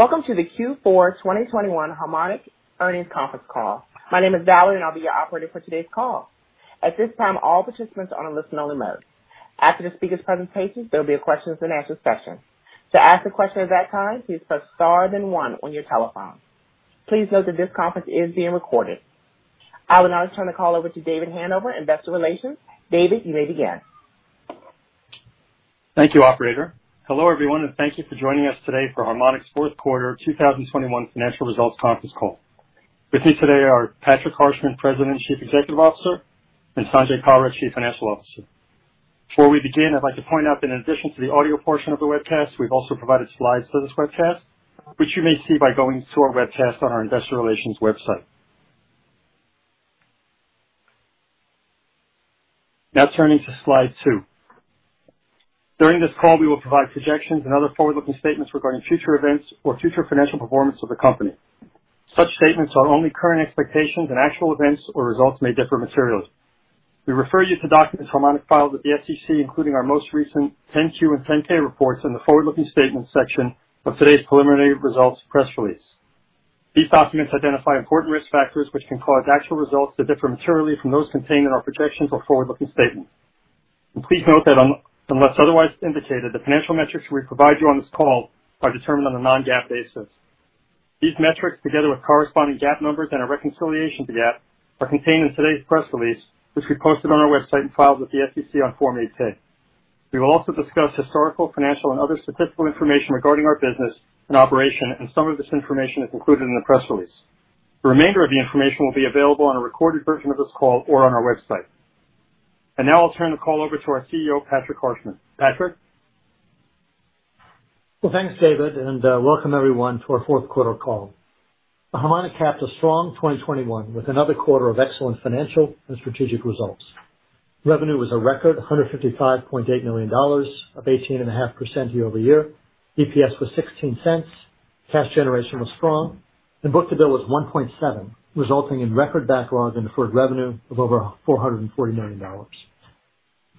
Welcome to the Q4 2021 Harmonic Earnings Conference Call. My name is Valerie, and I'll be your operator for today's call. At this time, all participants are in listen-only mode. After the speaker's presentations, there'll be a question and answer session. To ask a question at that time, please press star then one on your telephone. Please note that this conference is being recorded. I would now like to turn the call over to David Hanover, Investor Relations. David, you may begin. Thank you, Operator. Hello everyone and thank you for joining us today for Harmonic's fourth quarter 2021 financial results conference call. With me today are Patrick Harshman, President and Chief Executive Officer, and Sanjay Kalra, Chief Financial Officer. Before we begin, I'd like to point out that in addition to the audio portion of the webcast, we've also provided slides to this webcast, which you may see by going to our webcast on our investor relations website. Now turning to slide two. During this call, we will provide projections and other forward-looking statements regarding future events or future financial performance of the company. Such statements are only current expectations, and actual events or results may differ materially. We refer you to documents Harmonic filed with the SEC, including our most recent 10-Q and 10-K reports in the forward-looking statements section of today's preliminary results press release. These documents identify important risk factors which can cause actual results to differ materially from those contained in our projections or forward-looking statements. Please note that unless otherwise indicated, the financial metrics we provide you on this call are determined on a non-GAAP basis. These metrics, together with corresponding GAAP numbers and a reconciliation to GAAP, are contained in today's press release, which we posted on our website and filed with the SEC on Form 8-K. We will also discuss historical, financial, and other statistical information regarding our business and operation, and some of this information is included in the press release. The remainder of the information will be available on a recorded version of this call or on our website. Now I'll turn the call over to our CEO, Patrick Harshman. Patrick? Well, thanks David, and welcome everyone to our fourth quarter call. Harmonic capped a strong 2021 with another quarter of excellent financial and strategic results. Revenue was a record $155.8 million, up 18.5% year-over-year. EPS was $0.16. Cash generation was strong. Book-to-bill was 1.7, resulting in record backlog and deferred revenue of over $440 million.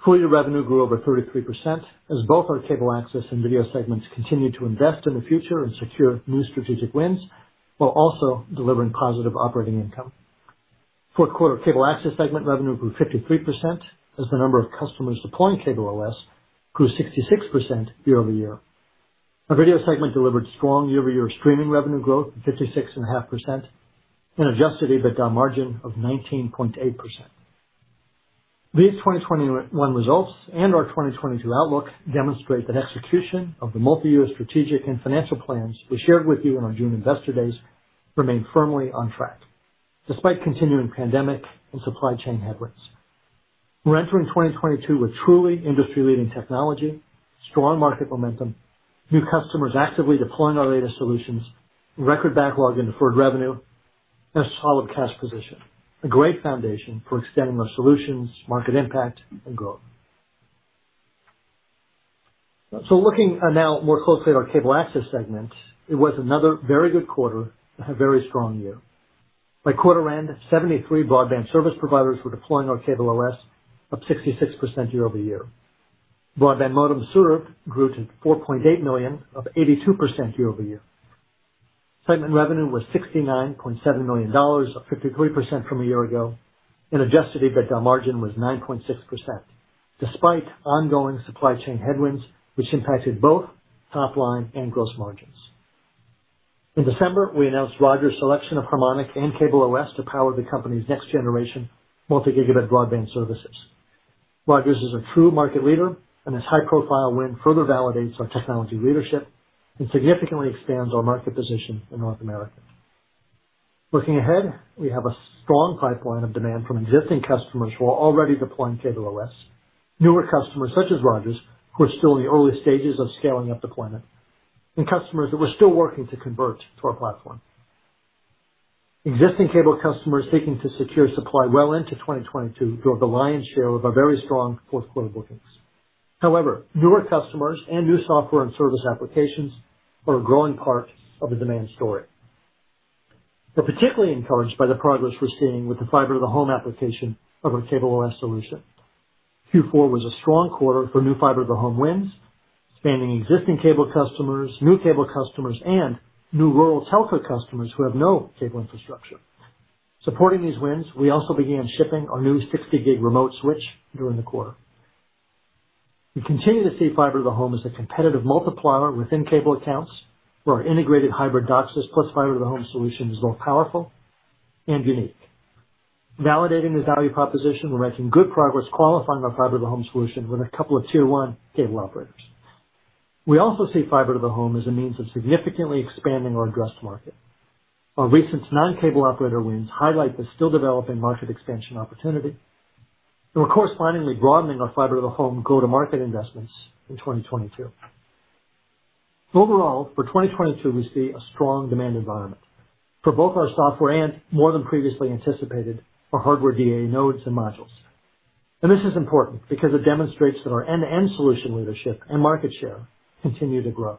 Full-year revenue grew over 33% as both our Cable Access and Video segments continued to invest in the future and secure new strategic wins, while also delivering positive operating income. Fourth quarter Cable Access segment revenue grew 53% as the number of customers deploying CableOS grew 66% year-over-year. Our video segment delivered strong year-over-year streaming revenue growth of 56.5% and adjusted EBITDA margin of 19.8%. These 2021 results and our 2022 outlook demonstrate that execution of the multi-year strategic and financial plans we shared with you on our June investor days remain firmly on track, despite continuing pandemic and supply chain headwinds. We're entering 2022 with truly industry-leading technology, strong market momentum, new customers actively deploying our latest solutions, record backlog and deferred revenue, and a solid cash position. A great foundation for extending our solutions, market impact, and growth. Looking now more closely at our cable access segment, it was another very good quarter and a very strong year. By quarter end, 73 broadband service providers were deploying our CableOS, up 66% year-over-year. Broadband modems served grew to 4.8 million, up 82% year-over-year. Segment revenue was $69.7 million, up 53% from a year ago. Adjusted EBITDA margin was 9.6% despite ongoing supply chain headwinds, which impacted both top line and gross margins. In December, we announced Rogers' selection of Harmonic and CableOS to power the company's next generation multi-gigabit broadband services. Rogers is a true market leader, and this high-profile win further validates our technology leadership and significantly expands our market position in North America. Looking ahead, we have a strong pipeline of demand from existing customers who are already deploying CableOS, newer customers such as Rogers, who are still in the early stages of scaling up deployment, and customers that we're still working to convert to our platform. Existing cable customers seeking to secure supply well into 2022 drove the lion's share of our very strong fourth quarter bookings. However, newer customers and new software and service applications are a growing part of the demand story. We're particularly encouraged by the progress we're seeing with the fiber to the home application of our CableOS solution. Q4 was a strong quarter for new fiber to the home wins, spanning existing cable customers, new cable customers, and new rural telco customers who have no cable infrastructure. Supporting these wins, we also began shipping our new 60G remote switch during the quarter. We continue to see fiber to the home as a competitive multiplier within cable accounts, where our integrated hybrid DOCSIS plus fiber to the home solution is both powerful and unique. Validating this value proposition, we're making good progress qualifying our fiber to the home solution with a couple of tier one cable operators. We also see fiber to the home as a means of significantly expanding our addressed market. Our recent non-cable operator wins highlight the still developing market expansion opportunity. We're correspondingly broadening our fiber to the home go-to-market investments in 2022. Overall, for 2022, we see a strong demand environment for both our software and more than previously anticipated, our hardware DAA nodes and modules. This is important because it demonstrates that our end-to-end solution leadership and market share continue to grow.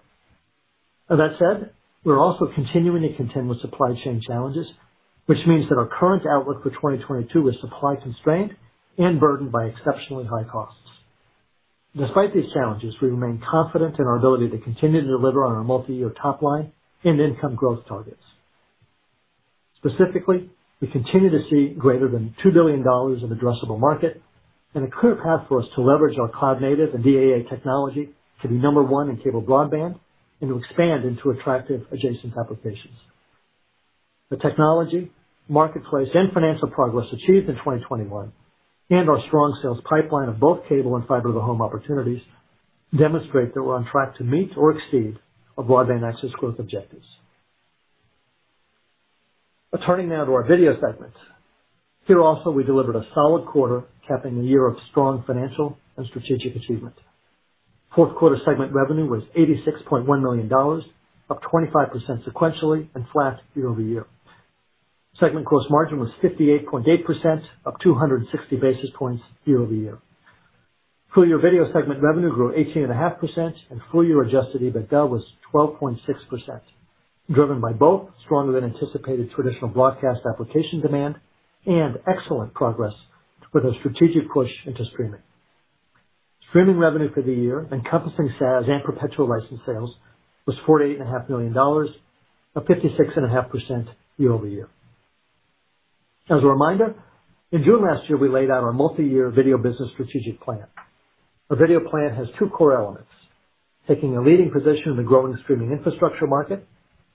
That said, we're also continuing to contend with supply chain challenges, which means that our current outlook for 2022 is supply constrained and burdened by exceptionally high costs. Despite these challenges, we remain confident in our ability to continue to deliver on our multi-year top line and income growth targets. Specifically, we continue to see greater than $2 billion of addressable market and a clear path for us to leverage our cloud native and DAA technology to be number one in cable broadband and to expand into attractive adjacent applications. The technology, marketplace, and financial progress achieved in 2021 and our strong sales pipeline of both cable and fiber to the home opportunities demonstrate that we're on track to meet or exceed our broadband access growth objectives. Turning now to our video segment. Here also, we delivered a solid quarter, capping a year of strong financial and strategic achievement. Fourth quarter segment revenue was $86.1 million, up 25% sequentially and flat year-over-year. Segment gross margin was 58.8%, up 260 basis points year-over-year. Full-year Video segment revenue grew 18.5%, and full-year adjusted EBITDA was 12.6%, driven by both stronger than anticipated traditional broadcast application demand and excellent progress with our strategic push into streaming. Streaming revenue for the year, encompassing SaaS and perpetual license sales, was $48.5 million, up 56.5% year-over-year. As a reminder, in June last year, we laid out our multi-year Video business strategic plan. Our video plan has two core elements, taking a leading position in the growing streaming infrastructure market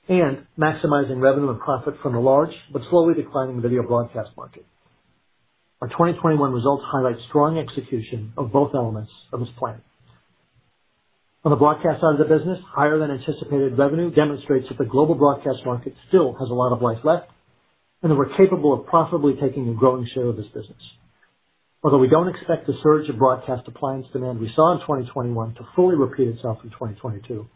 and maximizing revenue and profit from the large but slowly declining video broadcast market. Our 2021 results highlight strong execution of both elements of this plan. On the broadcast side of the business, higher than anticipated revenue demonstrates that the global broadcast market still has a lot of life left, and that we're capable of profitably taking a growing share of this business. Although we don't expect the surge of broadcast appliance demand we saw in 2021 to fully repeat itself in 2022,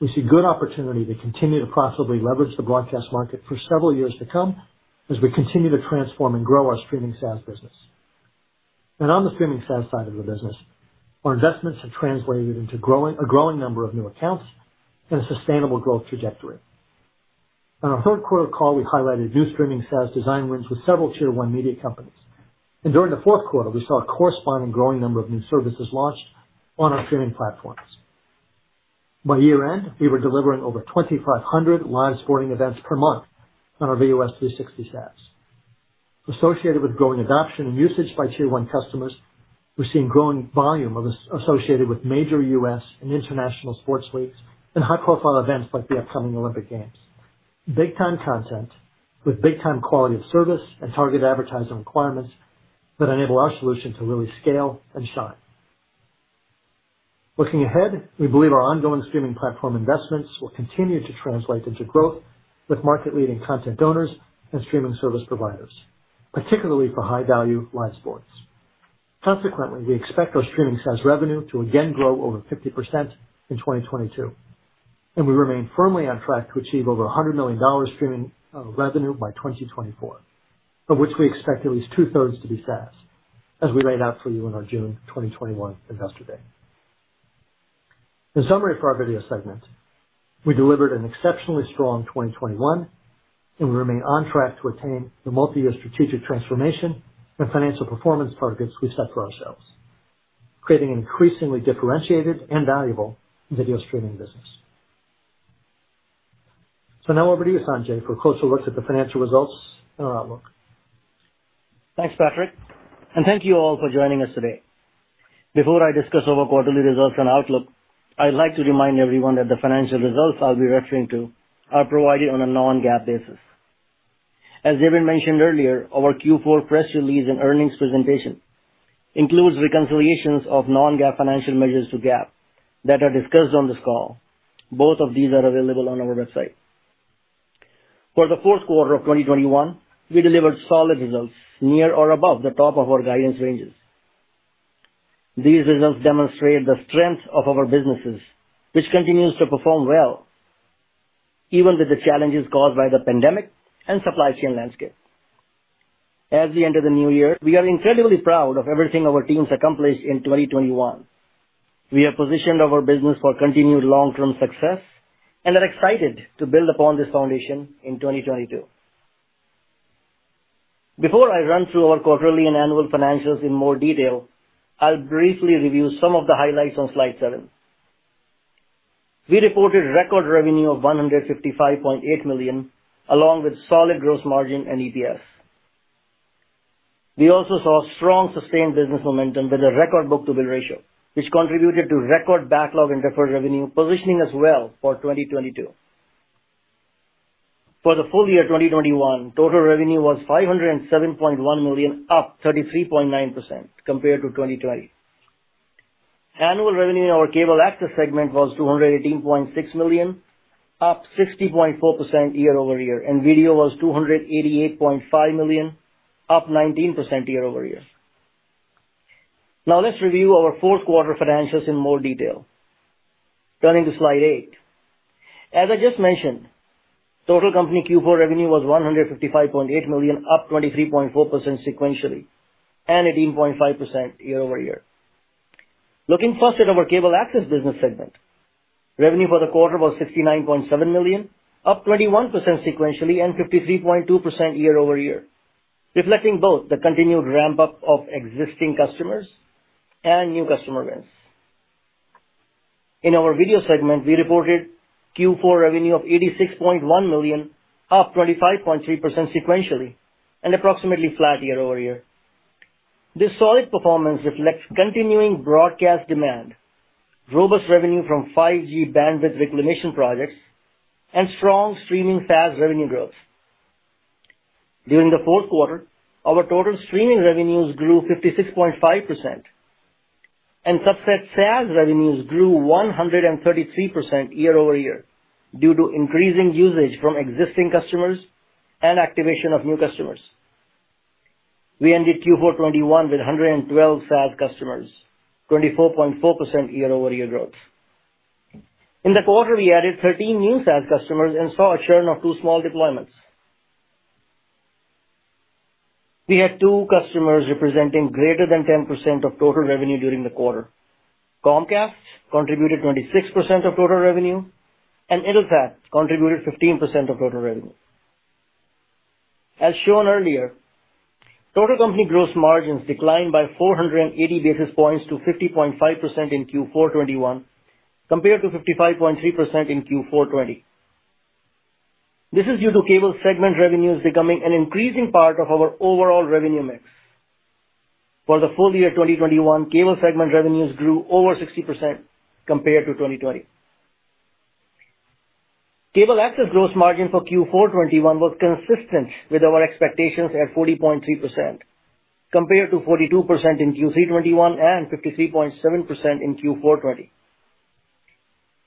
we see good opportunity to continue to profitably leverage the broadcast market for several years to come as we continue to transform and grow our streaming SaaS business. On the streaming SaaS side of the business, our investments have translated into a growing number of new accounts and a sustainable growth trajectory. On our third quarter call, we highlighted new streaming SaaS design wins with several tier one media companies, and during the fourth quarter, we saw a corresponding growing number of new services launched on our streaming platforms. By year-end, we were delivering over 2,500 live sporting events per month on our VOS360 SaaS. Associated with growing adoption and usage by tier one customers, we're seeing growing volume associated with major U.S. and international sports leagues and high-profile events like the upcoming Olympic Games. Big time content with big time quality of service and target advertising requirements that enable our solution to really scale and shine. Looking ahead, we believe our ongoing streaming platform investments will continue to translate into growth with market-leading content owners and streaming service providers, particularly for high-value live sports. Consequently, we expect our streaming SaaS revenue to again grow over 50% in 2022, and we remain firmly on track to achieve over $100 million streaming revenue by 2024, of which we expect at least two-thirds to be SaaS, as we laid out for you in our June 2021 Investor Day. In summary for our video segment, we delivered an exceptionally strong 2021, and we remain on track to attain the multi-year strategic transformation and financial performance targets we set for ourselves, creating an increasingly differentiated and valuable video streaming business. Now over to you, Sanjay, for a closer look at the financial results and our outlook. Thanks, Patrick, and thank you all for joining us today. Before I discuss our quarterly results and outlook, I'd like to remind everyone that the financial results I'll be referring to are provided on a non-GAAP basis. As David Hanover mentioned earlier, our Q4 press release and earnings presentation includes reconciliations of non-GAAP financial measures to GAAP that are discussed on this call. Both of these are available on our website. For the fourth quarter of 2021, we delivered solid results near or above the top of our guidance ranges. These results demonstrate the strength of our businesses, which continues to perform well even with the challenges caused by the pandemic and supply chain landscape. As we enter the new year, we are incredibly proud of everything our teams accomplished in 2021. We have positioned our business for continued long-term success and are excited to build upon this foundation in 2022. Before I run through our quarterly and annual financials in more detail, I'll briefly review some of the highlights on slide seven. We reported record revenue of $155.8 million, along with solid gross margin and EPS. We also saw strong, sustained business momentum with a record book-to-bill ratio, which contributed to record backlog and deferred revenue, positioning us well for 2022. For the full year 2021, total revenue was $507.1 million, up 33.9% compared to 2020. Annual revenue in our Cable Access segment was $218.6 million, up 60.4% year-over-year, and Video was $288.5 million, up 19% year-over-year. Now let's review our fourth quarter financials in more detail. Turning to slide eight. As I just mentioned, total company Q4 revenue was $155.8 million, up 23.4% sequentially and 18.5% year-over-year. Looking first at our Cable Access business segment. Revenue for the quarter was $69.7 million, up 21% sequentially and 53.2% year-over-year, reflecting both the continued ramp-up of existing customers and new customer wins. In our Video segment, we reported Q4 revenue of $86.1 million, up 25.3% sequentially and approximately flat year-over-year. This solid performance reflects continuing broadcast demand, robust revenue from 5G bandwidth reclamation projects, and strong streaming SaaS revenue growth. During the fourth quarter, our total streaming revenues grew 56.5% and subset SaaS revenues grew 133% year-over-year due to increasing usage from existing customers and activation of new customers. We ended Q4 2021 with 112 SaaS customers, 24.4% year-over-year growth. In the quarter, we added 13 new SaaS customers and saw a churn of two small deployments. We had two customers representing greater than 10% of total revenue during the quarter. Comcast contributed 26% of total revenue, and Intelsat contributed 15% of total revenue. As shown earlier, total company gross margins declined by 480 basis points to 50.5% in Q4 2021, compared to 55.3% in Q4 2020. This is due to cable segment revenues becoming an increasing part of our overall revenue mix. For the full year 2021, cable segment revenues grew over 60% compared to 2020. Cable access gross margin for Q4 2021 was consistent with our expectations at 40.3%, compared to 42% in Q3 2021 and 53.7% in Q4 2020.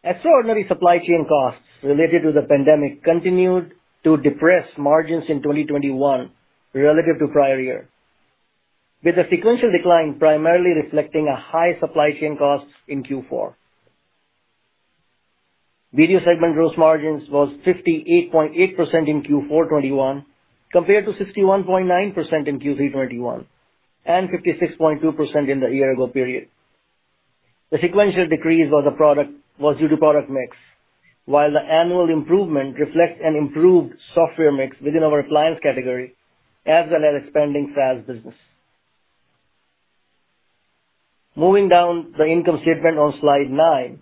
Extraordinary supply chain costs related to the pandemic continued to depress margins in 2021 relative to prior year, with a sequential decline primarily reflecting a high supply chain costs in Q4. Video segment gross margins was 58.8% in Q4 2021, compared to 61.9% in Q3 2021 and 56.2% in the year-ago period. The sequential decrease was due to product mix, while the annual improvement reflects an improved software mix within our clients category, as well as expanding SaaS business. Moving down the income statement on slide nine.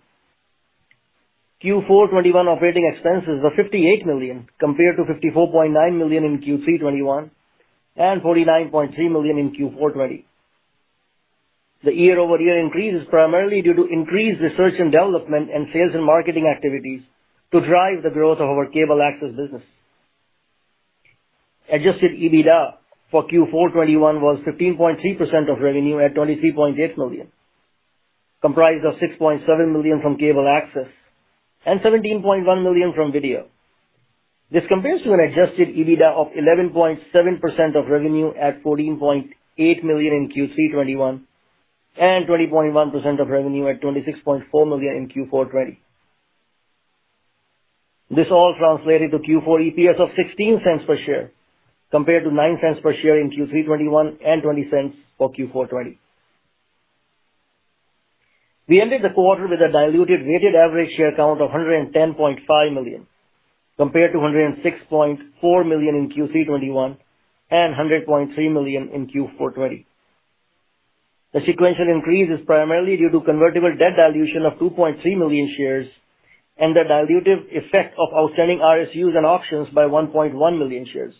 Q4 2021 operating expenses were $58 million, compared to $54.9 million in Q3 2021 and $49.3 million in Q4 2020. The year-over-year increase is primarily due to increased research and development and sales and marketing activities to drive the growth of our cable access business. Adjusted EBITDA for Q4 2021 was 15.3% of revenue at $23.8 million, comprised of $6.7 million from cable access and $17.1 million from video. This compares to an adjusted EBITDA of 11.7% of revenue at $14.8 million in Q3 2021 and 20.1% of revenue at $26.4 million in Q4 2020. This all translated to Q4 EPS of $0.16 per share, compared to $0.09 per share in Q3 2021 and $0.20 for Q4 2020. We ended the quarter with a diluted weighted average share count of 110.5 million, compared to 106.4 million in Q3 2021 and 100.3 million in Q4 2020. The sequential increase is primarily due to convertible debt dilution of 2.3 million shares and the dilutive effect of outstanding RSUs and options by 1.1 million shares,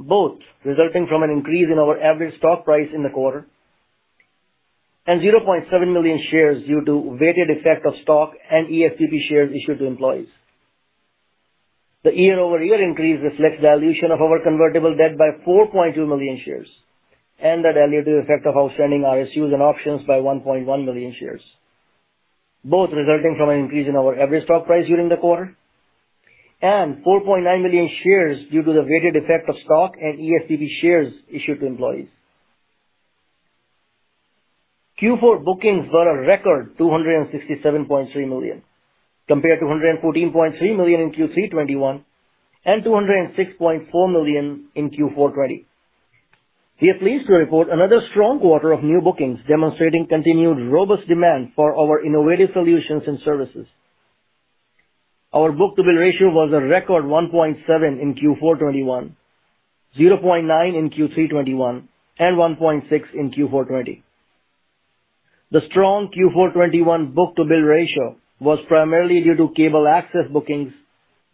both resulting from an increase in our average stock price in the quarter, and 0.7 million shares due to weighted effect of stock and ESPP shares issued to employees. The year-over-year increase reflects dilution of our convertible debt by 4.2 million shares and the dilutive effect of outstanding RSUs and options by 1.1 million shares, both resulting from an increase in our average stock price during the quarter, and 4.9 million shares due to the weighted effect of stock and ESPP shares issued to employees. Q4 bookings were a record $267.3 million, compared to $114.3 million in Q3 2021 and $206.4 million in Q4 2020. We are pleased to report another strong quarter of new bookings, demonstrating continued robust demand for our innovative solutions and services. Our book-to-bill ratio was a record 1.7 in Q4 2021, 0.9 in Q3 2021, and 1.6 in Q4 2020. The strong Q4 2021 book-to-bill ratio was primarily due to cable access bookings,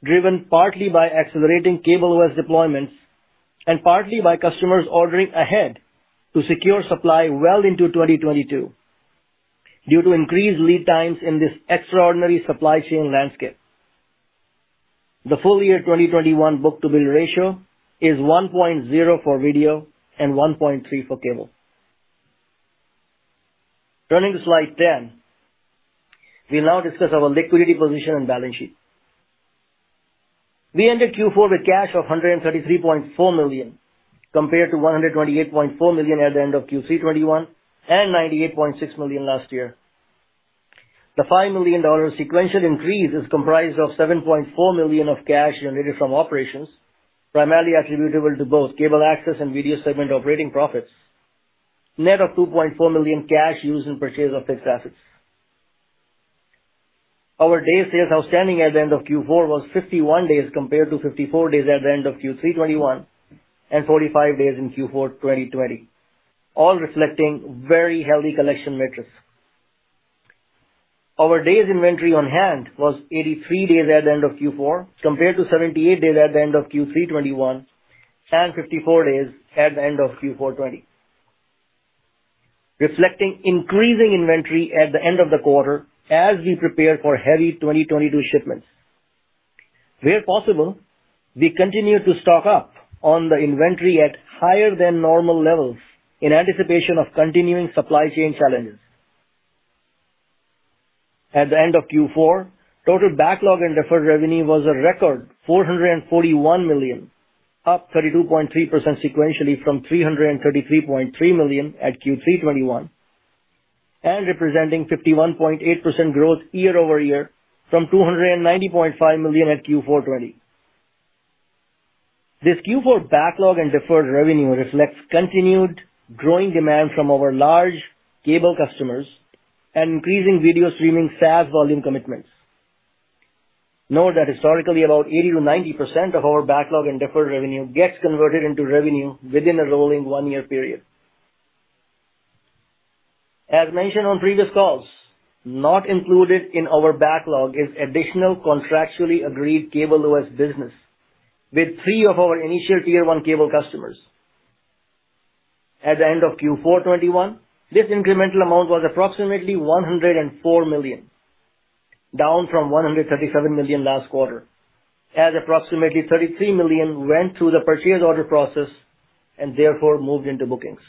driven partly by accelerating CableOS deployments and partly by customers ordering ahead to secure supply well into 2022 due to increased lead times in this extraordinary supply chain landscape. The full year 2021 book-to-bill ratio is 1.0 for video and 1.3 for cable. Turning to slide 10. We now discuss our liquidity position and balance sheet. We ended Q4 with cash of $133.4 million, compared to $128.4 million at the end of Q3 2021 and $98.6 million last year. The $5 million sequential increase is comprised of $7.4 million of cash generated from operations, primarily attributable to both cable access and video segment operating profits net of $2.4 million cash used in purchase of fixed assets. Our days sales outstanding at the end of Q4 was 51 days compared to 54 days at the end of Q3 2021, and 45 days in Q4 2020, all reflecting very healthy collection metrics. Our days inventory on hand was 83 days at the end of Q4 compared to 78 days at the end of Q3 2021 and 54 days at the end of Q4 2020, reflecting increasing inventory at the end of the quarter as we prepare for heavy 2022 shipments. Where possible, we continue to stock up on the inventory at higher than normal levels in anticipation of continuing supply chain challenges. At the end of Q4, total backlog and deferred revenue was a record $441 million, up 32.3 sequentially from $333.3 million at Q3 2021, and representing 51.8% growth year over year from $290.5 million at Q4 2020. This Q4 backlog and deferred revenue reflects continued growing demand from our large cable customers and increasing video streaming SaaS volume commitments. Note that historically about 80%-90% of our backlog and deferred revenue gets converted into revenue within a rolling one-year period. As mentioned on previous calls, not included in our backlog is additional contractually agreed CableOS business with three of our initial tier one cable customers. At the end of Q4 2021, this incremental amount was approximately $104 million, down from $137 million last quarter, as approximately $33 million went through the purchase order process and therefore moved into bookings.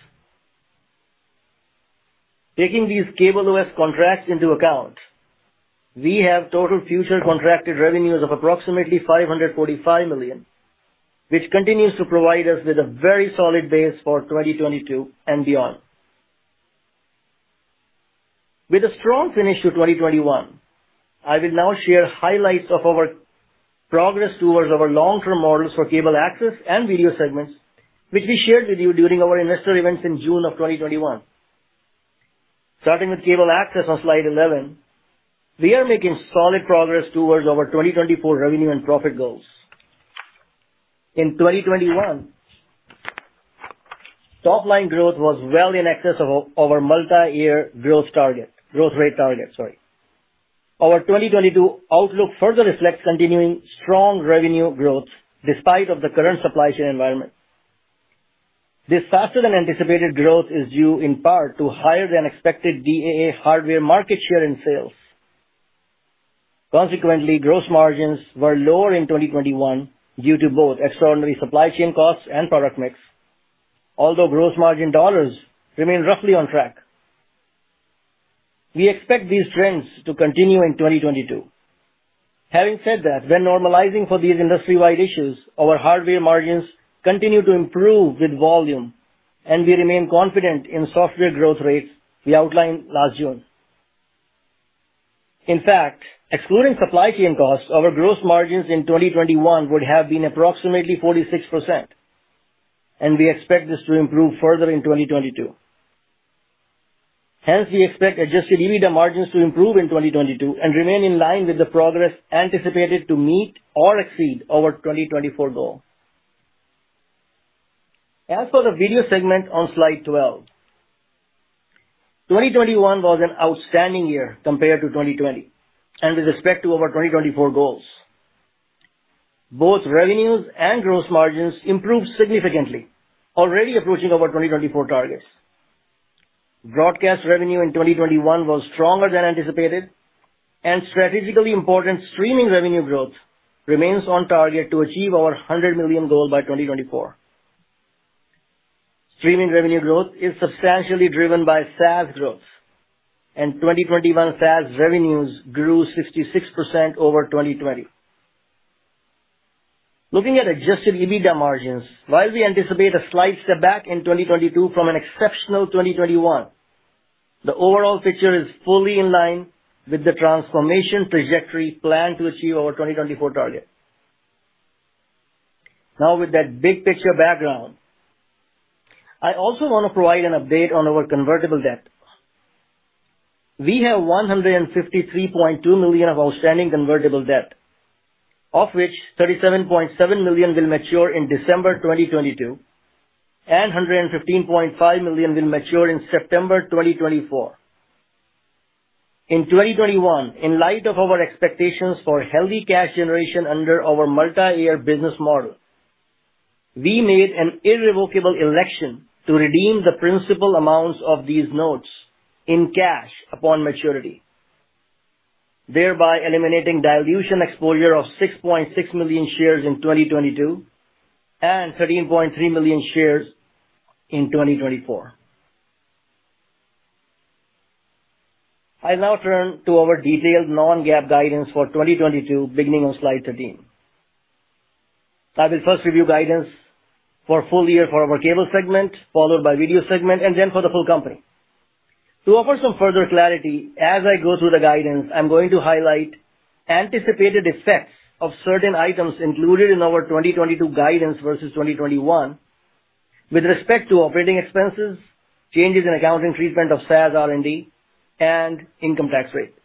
Taking these CableOS contracts into account, we have total future contracted revenues of approximately $545 million, which continues to provide us with a very solid base for 2022 and beyond. With a strong finish to 2021, I will now share highlights of our progress towards our long-term models for cable access and video segments, which we shared with you during our investor events in June of 2021. Starting with cable access on slide 11, we are making solid progress towards our 2024 revenue and profit goals. In 2021, top line growth was well in excess of our multi-year growth target. Our 2022 outlook further reflects continuing strong revenue growth despite the current supply chain environment. This faster than anticipated growth is due in part to higher than expected DAA hardware market share and sales. Consequently, gross margins were lower in 2021 due to both extraordinary supply chain costs and product mix, although gross margin dollars remain roughly on track. We expect these trends to continue in 2022. Having said that, when normalizing for these industry-wide issues, our hardware margins continue to improve with volume, and we remain confident in software growth rates we outlined last June. In fact, excluding supply chain costs, our gross margins in 2021 would have been approximately 46%, and we expect this to improve further in 2022. Hence, we expect adjusted EBITDA margins to improve in 2022 and remain in line with the progress anticipated to meet or exceed our 2024 goal. As for the Video segment on slide 12, 2021 was an outstanding year compared to 2020 and with respect to our 2024 goals. Both revenues and gross margins improved significantly, already approaching our 2024 targets. Broadcast revenue in 2021 was stronger than anticipated, and strategically important streaming revenue growth remains on target to achieve our $100 million goal by 2024. Streaming revenue growth is substantially driven by SaaS growth, and 2021 SaaS revenues grew 66% over 2020. Looking at adjusted EBITDA margins, while we anticipate a slight step back in 2022 from an exceptional 2021, the overall picture is fully in line with the transformation trajectory planned to achieve our 2024 target. Now with that big picture background, I also want to provide an update on our convertible debt. We have $153.2 million of outstanding convertible debt, of which $37.7 million will mature in December 2022 and $115.5 million will mature in September 2024. In 2021, in light of our expectations for healthy cash generation under our multi-year business model, we made an irrevocable election to redeem the principal amounts of these notes in cash upon maturity, thereby eliminating dilution exposure of 6.6 million shares in 2022 and 13.3 million shares in 2024. I now turn to our detailed non-GAAP guidance for 2022 beginning on slide 13. I will first review guidance for full year for our cable segment, followed by video segment, and then for the full company. To offer some further clarity, as I go through the guidance, I'm going to highlight anticipated effects of certain items included in our 2022 guidance versus 2021 with respect to operating expenses, changes in accounting treatment of SaaS R&D, and income tax rate.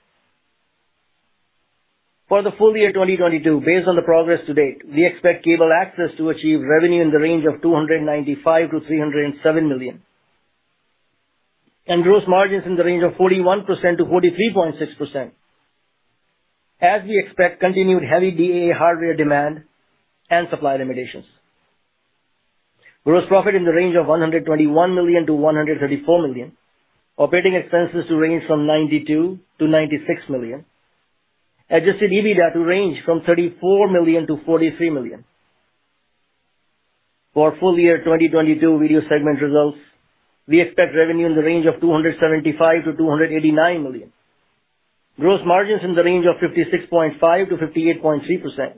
For the full year 2022, based on the progress to date, we expect Cable Access to achieve revenue in the range of $295 million-$307 million. Gross margins in the range of 41%-43.6%, as we expect continued heavy DAA hardware demand and supply limitations. Gross profit in the range of $121 million-$134 million. Operating expenses to range from $92 million-$96 million. Adjusted EBITDA to range from $34 million-$43 million. For full year 2022 Video segment results, we expect revenue in the range of $275 million-$289 million. Gross margins in the range of 56.5%-58.3%.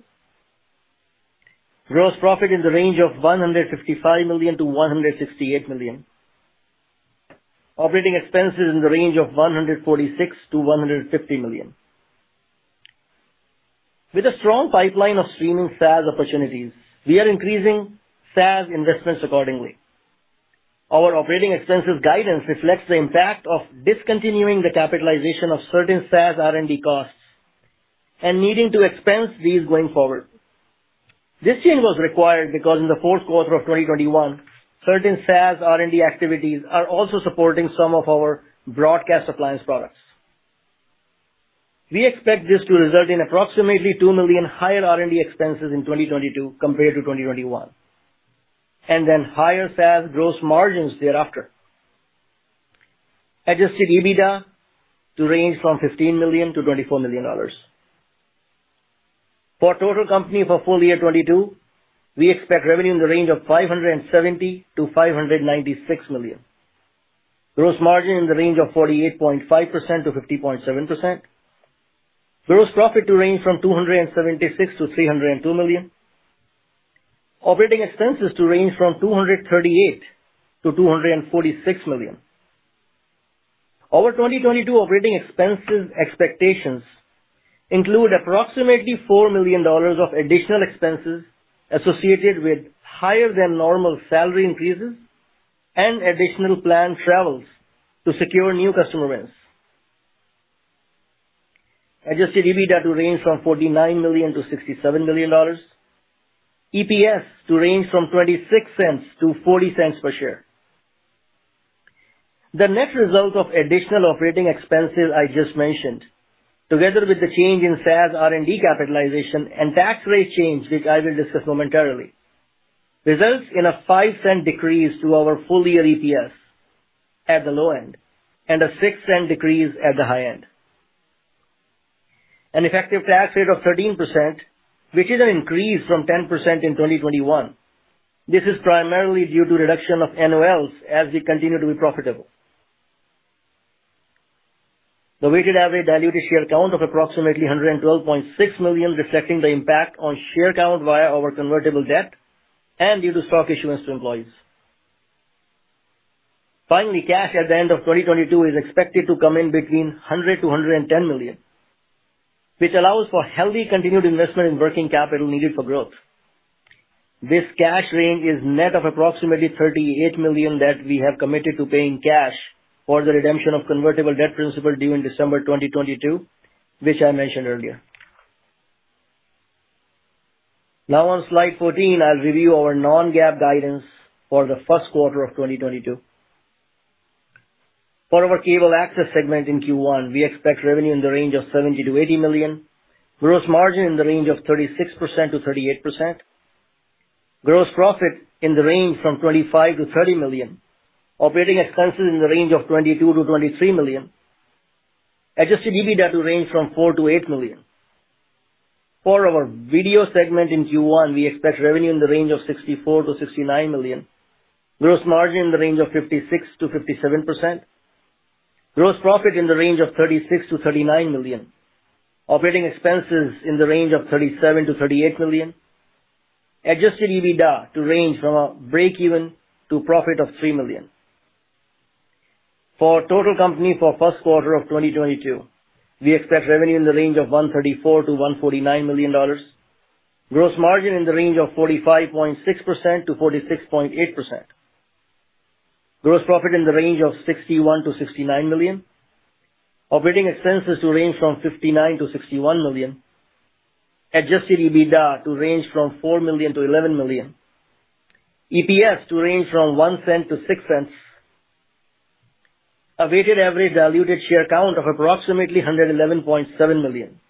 Gross profit in the range of $155 million-$168 million. Operating expenses in the range of $146 million-$150 million. With a strong pipeline of streaming SaaS opportunities, we are increasing SaaS investments accordingly. Our operating expenses guidance reflects the impact of discontinuing the capitalization of certain SaaS R&D costs and needing to expense these going forward. This change was required because in the fourth quarter of 2021, certain SaaS R&D activities are also supporting some of our broadcast appliance products. We expect this to result in approximately $2 million higher R&D expenses in 2022 compared to 2021, and then higher SaaS gross margins thereafter. Adjusted EBITDA to range from $15 million-$24 million. For total company for full year 2022, we expect revenue in the range of $570 million-$596 million. Gross margin in the range of 48.5%-50.7%. Gross profit to range from $276 million-$302 million. Operating expenses to range from $238 million-$246 million. Our 2022 operating expenses expectations include approximately $4 million of additional expenses associated with higher than normal salary increases and additional planned travels to secure new customer wins. Adjusted EBITDA to range from $49 million-$67 million. EPS to range from $0.26-$0.40 per share. The net result of additional operating expenses I just mentioned, together with the change in SaaS R&D capitalization and tax rate change, which I will discuss momentarily, results in a $0.05 decrease to our full-year EPS at the low end and a $0.06 decrease at the high end. An effective tax rate of 13%, which is an increase from 10% in 2021. This is primarily due to reduction of NOLs as we continue to be profitable. The weighted average diluted share count of approximately 112.6 million, reflecting the impact on share count via our convertible debt and due to stock issuance to employees. Finally, cash at the end of 2022 is expected to come in between $100 million-$110 million, which allows for healthy continued investment in working capital needed for growth. This cash range is net of approximately $38 million that we have committed to paying cash for the redemption of convertible debt principal due in December 2022, which I mentioned earlier. Now on slide 14, I'll review our non-GAAP guidance for the first quarter of 2022. For our Cable Access segment in Q1, we expect revenue in the range of $70 million-$80 million. Gross margin in the range of 36%-38%. Gross profit in the range from $25 million-$30 million. Operating expenses in the range of $22 million-$23 million. Adjusted EBITDA to range from $4 million-$8 million. For our Video segment in Q1, we expect revenue in the range of $64 million-$69 million. Gross margin in the range of 56%-57%. Gross profit in the range of $36 million-$39 million. Operating expenses in the range of $37 million-$38 million. Adjusted EBITDA to range from a break-even to profit of $3 million. For total company for first quarter of 2022, we expect revenue in the range of $134 million-$149 million. Gross margin in the range of 45.6%-46.8%. Gross profit in the range of $61 million-$69 million. Operating expenses to range from $59 million-$61 million. Adjusted EBITDA to range from $4 million-$11 million. EPS to range from $0.01-$0.06. A weighted average diluted share count of approximately 111.7 million.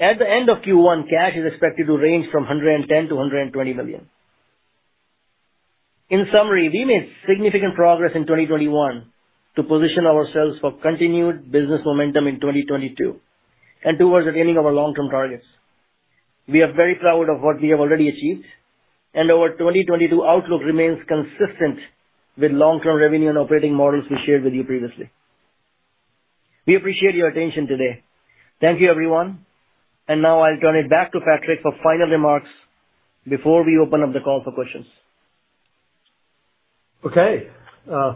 At the end of Q1, cash is expected to range from $110 million-$120 million. In summary, we made significant progress in 2021 to position ourselves for continued business momentum in 2022 and towards attaining our long-term targets. We are very proud of what we have already achieved, and our 2022 outlook remains consistent with long-term revenue and operating models we shared with you previously. We appreciate your attention today. Thank you, everyone. Now I'll turn it back to Patrick for final remarks before we open up the call for questions. Okay.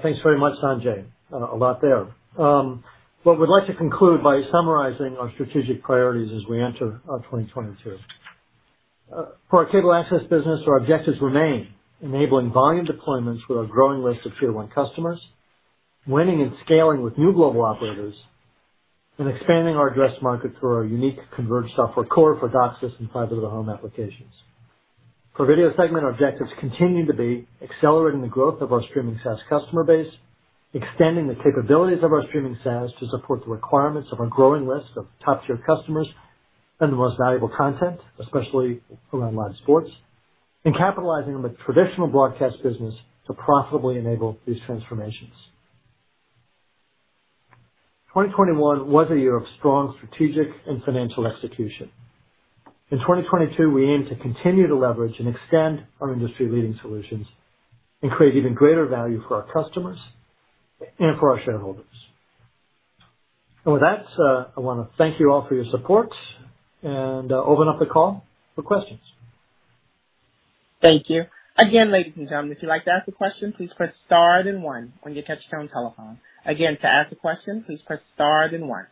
Thanks very much, Sanjay. A lot there. We'd like to conclude by summarizing our strategic priorities as we enter 2022. For our cable access business, our objectives remain enabling volume deployments with our growing list of tier one customers, winning and scaling with new global operators, and expanding our addressable market through our unique converged software core for DOCSIS and fiber to the home applications. For video segment, our objectives continue to be accelerating the growth of our streaming SaaS customer base, extending the capabilities of our streaming SaaS to support the requirements of our growing list of top-tier customers and the most valuable content, especially around live sports, and capitalizing on the traditional broadcast business to profitably enable these transformations. 2021 was a year of strong strategic and financial execution. In 2022, we aim to continue to leverage and extend our industry-leading solutions and create even greater value for our customers and for our shareholders. With that, I wanna thank you all for your support and open up the call for questions. Thank you. Again, ladies and gentlemen, if you'd like to ask a question, please press star then one on your touchtone telephone. Again, to ask a question, please press star then one.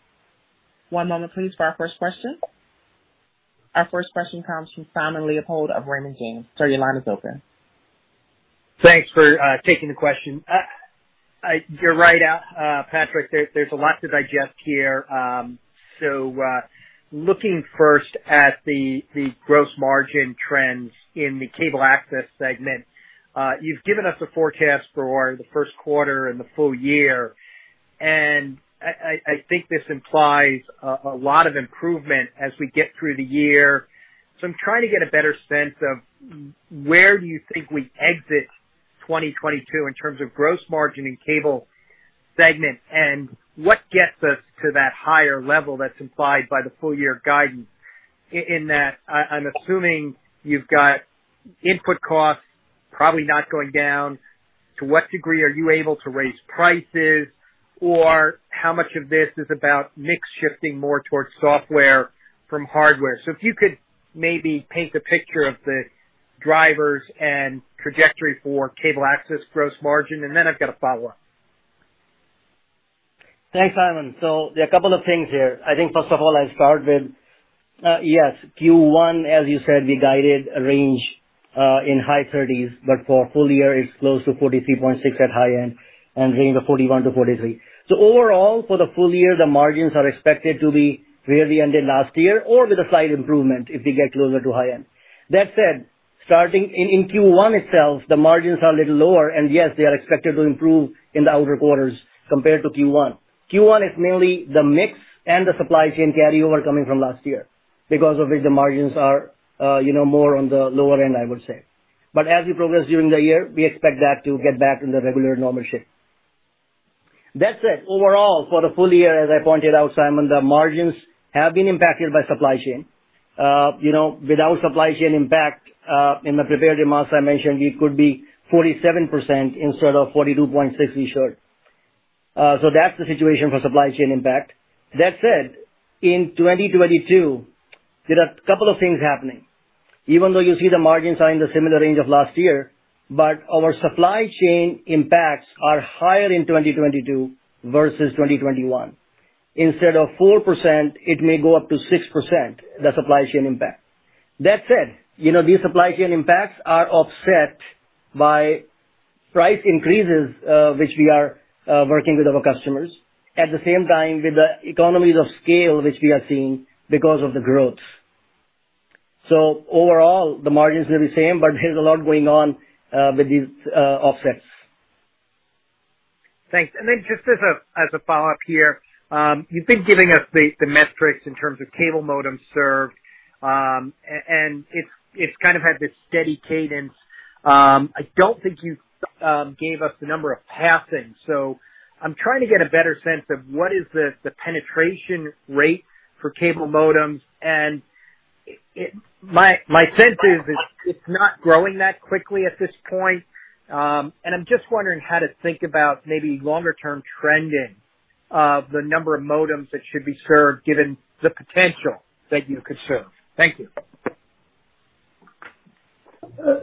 One moment please for our first question. Our first question comes from Simon Leopold of Raymond James. Sir, your line is open. Thanks for taking the question. You're right, Patrick, there's a lot to digest here. Looking first at the gross margin trends in the Cable Access segment, you've given us a forecast for the first quarter and the full year, and I think this implies a lot of improvement as we get through the year. I'm trying to get a better sense of where do you think we exit 2022 in terms of gross margin in Cable segment, and what gets us to that higher level that's implied by the full year guidance? In that, I'm assuming you've got input costs probably not going down. To what degree are you able to raise prices, or how much of this is about mix shifting more towards software from hardware? If you could maybe paint the picture of the drivers and trajectory for cable access gross margin, and then I've got a follow-up. Thanks, Simon. There are a couple of things here. I think, first of all, I'll start with yes, Q1, as you said, we guided a range in high 30s, but for full year it's close to 43.6% at high end and range of 41%-43%. Overall, for the full year, the margins are expected to be where we ended last year or with a slight improvement if we get closer to high end. That said, starting in Q1 itself, the margins are a little lower, and yes, they are expected to improve in the outer quarters compared to Q1. Q1 is mainly the mix and the supply chain carryover coming from last year, because of which the margins are, you know, more on the lower end, I would say. As we progress during the year, we expect that to get back in the regular normal shape. That said, overall, for the full year, as I pointed out, Simon, the margins have been impacted by supply chain. You know, without supply chain impact, in the prepared remarks I mentioned, it could be 47% instead of 42.6% we showed. That's the situation for supply chain impact. That said, in 2022, there are a couple of things happening. Even though you see the margins are in the similar range of last year, but our supply chain impacts are higher in 2022 versus 2021. Instead of 4%, it may go up to 6%, the supply chain impact. That said, you know, these supply chain impacts are offset by price increases, which we are working with our customers. At the same time, with the economies of scale which we are seeing because of the growth. Overall, the margins may be the same, but there's a lot going on with these offsets. Thanks. Then just as a follow-up here, you've been giving us the metrics in terms of cable modems served, and it's kind of had this steady cadence. I don't think you gave us the number of passings, so I'm trying to get a better sense of what is the penetration rate for cable modems, and my sense is it's not growing that quickly at this point. I'm just wondering how to think about maybe longer term trending of the number of modems that should be served, given the potential that you could serve. Thank you.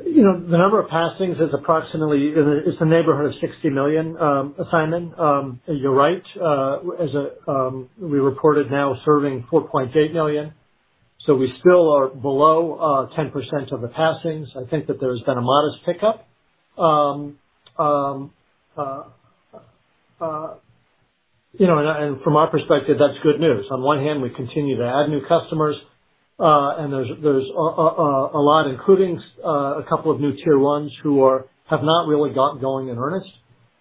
You know, the number of passings is approximately in the neighborhood of 60 million, Simon. You're right, as we reported now serving 4.8 million, so we still are below 10% of the passings. I think that there's been a modest pickup. You know, and from our perspective, that's good news. On one hand, we continue to add new customers, and there's a lot, including a couple of new tier ones who have not really got going in earnest.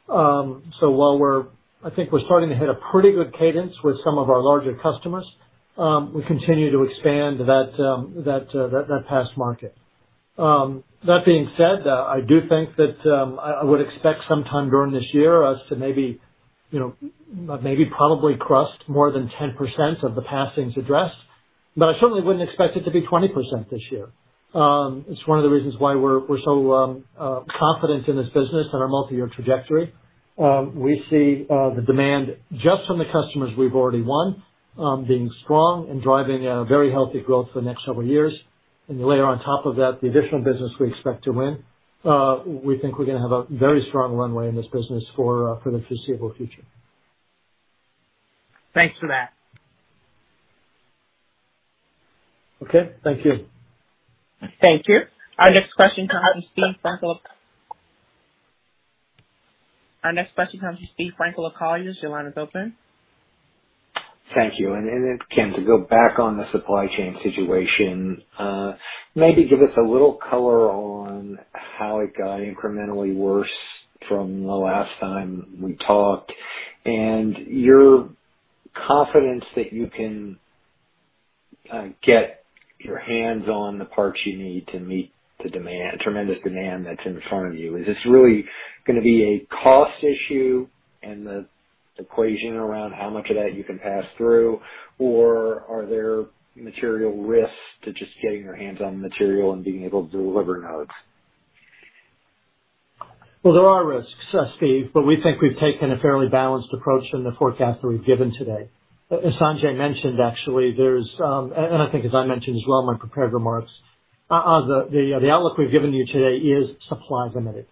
So while we're, I think we're starting to hit a pretty good cadence with some of our larger customers, we continue to expand that pass market. That being said, I do think that I would expect sometime during this year as to maybe, you know, maybe probably cross more than 10% of the passings addressed. I certainly wouldn't expect it to be 20% this year. It's one of the reasons why we're so confident in this business on our multi-year trajectory. We see the demand just from the customers we've already won being strong and driving a very healthy growth for the next several years. Layer on top of that, the additional business we expect to win, we think we're gonna have a very strong runway in this business for the foreseeable future. Thanks for that. Okay. Thank you. Thank you. Our next question comes from Steve Frankel of Colliers. Your line is open. Thank you. to go back on the supply chain situation, maybe give us a little color on how it got incrementally worse from the last time we talked. Your confidence that you can get your hands on the parts you need to meet the demand, tremendous demand that's in front of you. Is this really gonna be a cost issue and the equation around how much of that you can pass through? Or are there material risks to just getting your hands on material and being able to deliver nodes? Well, there are risks, Steve, but we think we've taken a fairly balanced approach in the forecast that we've given today. As Sanjay mentioned, actually, there's and I think as I mentioned as well in my prepared remarks, the outlook we've given you today is supply limited.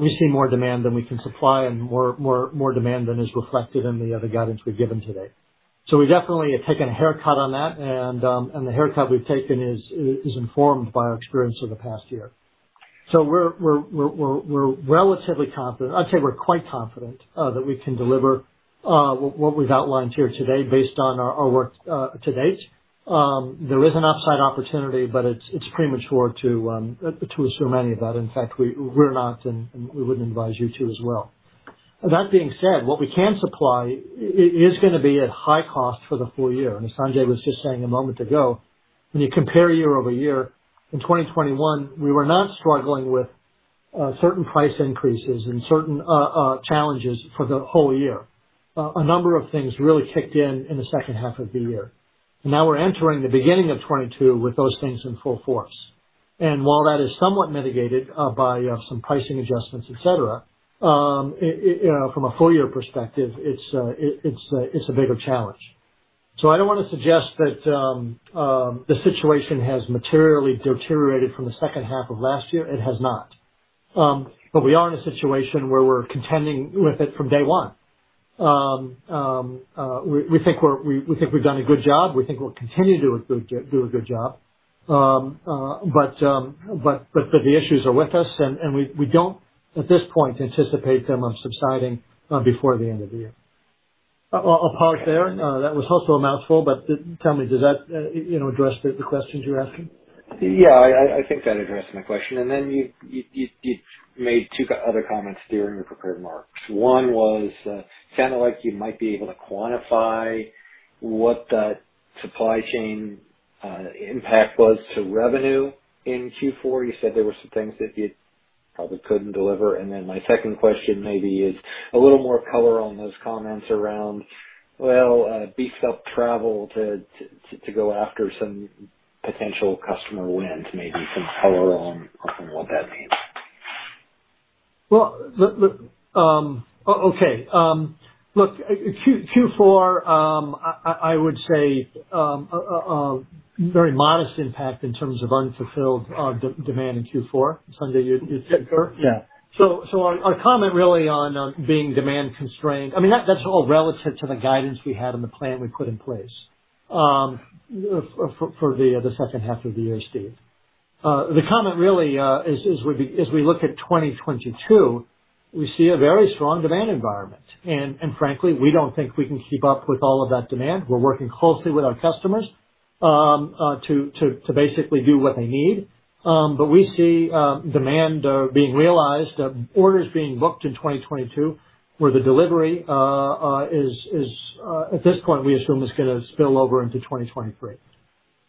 We see more demand than we can supply and more demand than is reflected in the guidance we've given today. We definitely have taken a haircut on that. The haircut we've taken is informed by our experience over the past year. We're relatively confident. I'd say we're quite confident that we can deliver what we've outlined here today based on our work to date. There is an upside opportunity, but it's premature to assume any of that. In fact, we're not, and we wouldn't advise you to as well. That being said, what we can supply is gonna be at high cost for the full year. Sanjay was just saying a moment ago, when you compare year-over-year, in 2021, we were not struggling with certain price increases and certain challenges for the whole year. A number of things really kicked in in the second half of the year. Now we're entering the beginning of 2022 with those things in full force. While that is somewhat mitigated by some pricing adjustments, et cetera, you know, from a full year perspective, it's a bigger challenge. I don't wanna suggest that the situation has materially deteriorated from the second half of last year. It has not. We are in a situation where we're contending with it from day one. We think we've done a good job. We think we'll continue to do a good job. The issues are with us, and we don't, at this point, anticipate them subsiding before the end of the year. I'll pause there. That was also a mouthful, but tell me, does that, you know, address the questions you were asking? Yeah. I think that addressed my question. Then you made two other comments there in your prepared remarks. One was, sounded like you might be able to quantify what that supply chain impact was to revenue in Q4. You said there were some things that you probably couldn't deliver. Then my second question maybe is a little more color on those comments around, well, beefed up travel to go after some potential customer wins, maybe some color on what that means. Well, look, Q4, I would say a very modest impact in terms of unfulfilled demand in Q4. Sanjay, you'd concur? Yeah. Our comment really on being demand constrained, I mean, that's all relative to the guidance we had and the plan we put in place for the second half of the year, Steve. The comment really, as we look at 2022, we see a very strong demand environment. Frankly, we don't think we can keep up with all of that demand. We're working closely with our customers to basically do what they need. We see demand being realized, orders being booked in 2022, where the delivery is, at this point, we assume, gonna spill over into 2023.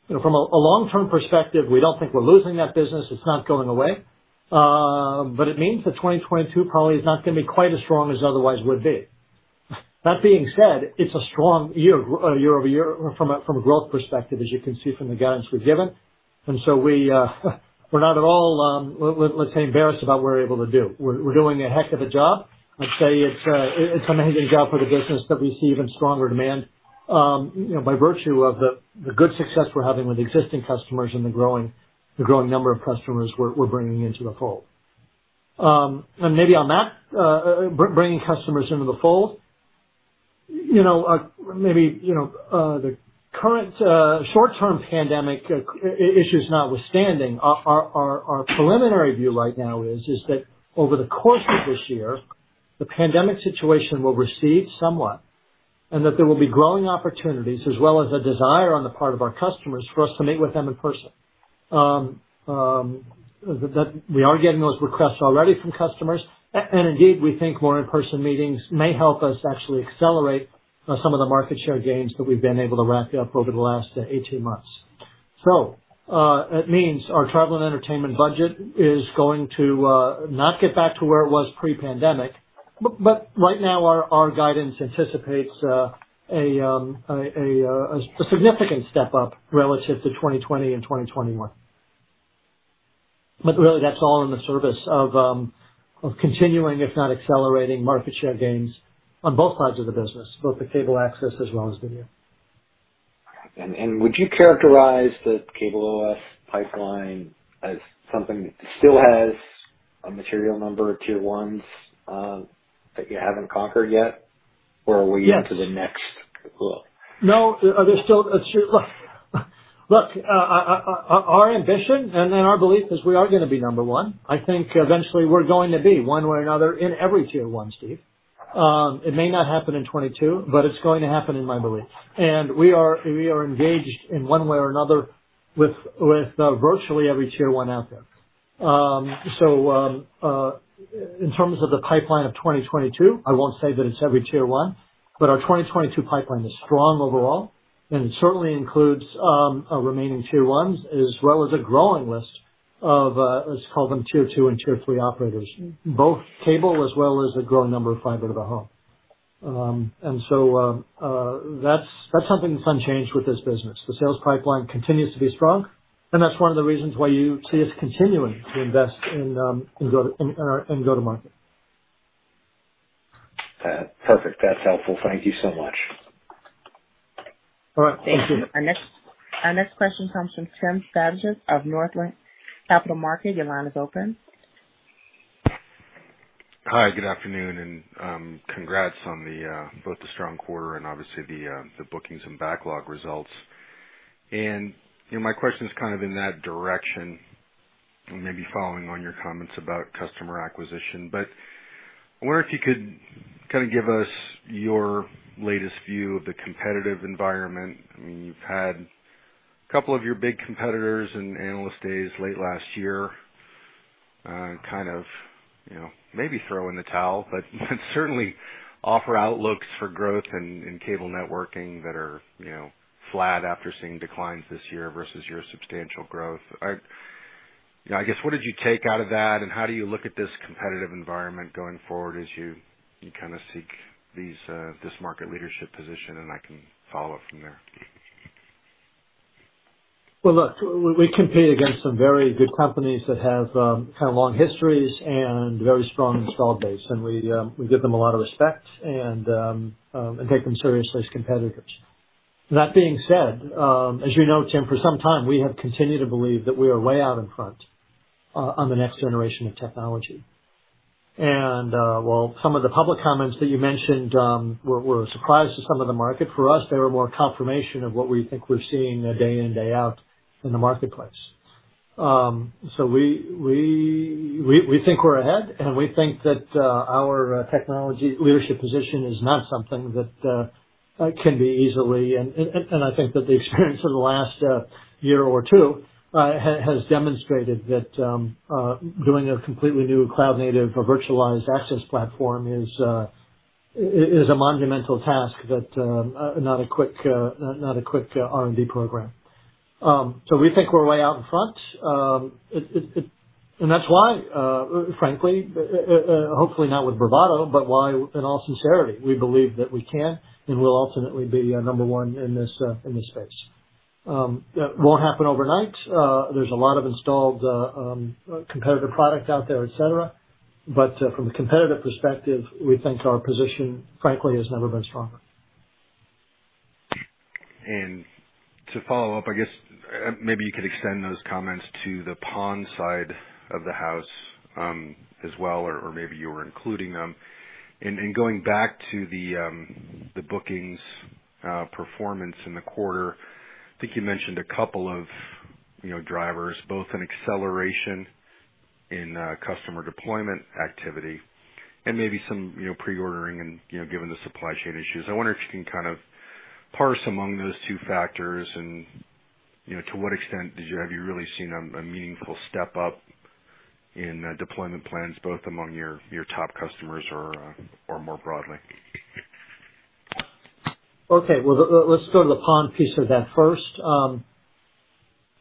You know, from a long-term perspective, we don't think we're losing that business. It's not going away. It means that 2022 probably is not gonna be quite as strong as otherwise would be. That being said, it's a strong year-over-year from a growth perspective, as you can see from the guidance we've given. We're not at all, let's say, embarrassed about what we're able to do. We're doing a heck of a job. I'd say it's an amazing job for the business that we see even stronger demand, you know, by virtue of the good success we're having with existing customers and the growing number of customers we're bringing into the fold. Maybe on that, bringing customers into the fold, you know, maybe, you know, the current short-term pandemic issues notwithstanding, our preliminary view right now is that over the course of this year, the pandemic situation will recede somewhat, and that there will be growing opportunities as well as a desire on the part of our customers for us to meet with them in person. That we are getting those requests already from customers. Indeed, we think more in-person meetings may help us actually accelerate some of the market share gains that we've been able to rack up over the last 18 months. It means our travel and entertainment budget is going to not get back to where it was pre-pandemic. Right now, our guidance anticipates a significant step up relative to 2020 and 2021. Really, that's all in the service of continuing, if not accelerating, market share gains on both sides of the business, both the cable access as well as video. Would you characterize the CableOS pipeline as something that still has a material number of tier ones that you haven't conquered yet? Yes. Are we onto the next goal? No. There's still a few. Look, our ambition and then our belief is we are gonna be number one. I think eventually we're going to be one way or another in every tier one, Steve. It may not happen in 2022, but it's going to happen in my belief. We are engaged in one way or another with virtually every tier one out there. In terms of the pipeline of 2022, I won't say that it's every tier one, but our 2022 pipeline is strong overall, and it certainly includes our remaining tier ones, as well as a growing list of, let's call them tier two and tier three operators, both cable as well as a growing number of fiber to the home. That's something that's unchanged with this business. The sales pipeline continues to be strong, and that's one of the reasons why you see us continuing to invest in go-to-market. Perfect. That's helpful. Thank you so much. All right. Thank you. Our next question comes from Tim Savageaux of Northland Capital Markets. Your line is open. Hi, good afternoon, congrats on both the strong quarter and obviously the bookings and backlog results. You know, my question is kind of in that direction, maybe following on your comments about customer acquisition. I wonder if you could kind of give us your latest view of the competitive environment. I mean, you've had a couple of your big competitors in analyst days, late last year, kind of, you know, maybe throw in the towel, but certainly offer outlooks for growth in cable networking that are, you know, flat after seeing declines this year versus your substantial growth. You know, I guess, what did you take out of that, and how do you look at this competitive environment going forward as you kind of seek this market leadership position? I can follow up from there. Well, look, we compete against some very good companies that have kind of long histories and very strong installed base, and we give them a lot of respect and take them seriously as competitors. That being said, as you know, Tim, for some time, we have continued to believe that we are way out in front on the next generation of technology. While some of the public comments that you mentioned were a surprise to some of the market, for us, they were more confirmation of what we think we're seeing day in, day out in the marketplace. We think we're ahead, and we think that our technology leadership position is not something that can be easily. I think that the experience of the last year or two has demonstrated that doing a completely new cloud native or virtualized access platform is a monumental task that is not a quick R&D program. We think we're way out in front. That's why, frankly, hopefully not with bravado, but why, in all sincerity, we believe that we can and will ultimately be number one in this space. It won't happen overnight. There's a lot of installed competitive product out there, et cetera. From a competitive perspective, we think our position, frankly, has never been stronger. To follow up, I guess, maybe you could extend those comments to the PON side of the house, as well, or maybe you were including them. Going back to the bookings performance in the quarter, I think you mentioned a couple of, you know, drivers, both in acceleration in customer deployment activity and maybe some, you know, pre-ordering and, you know, given the supply chain issues. I wonder if you can kind of parse among those two factors and, you know, to what extent have you really seen a meaningful step up in deployment plans, both among your top customers or more broadly? Okay, well, let's go to the PON piece of that first.